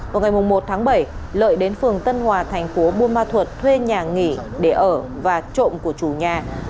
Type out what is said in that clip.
vào ngày một tháng bảy lợi đến phường tân hòa thành phố buôn ma thuột thuê nhà nghỉ để ở và trộm của chủ nhà